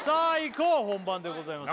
こう本番でございます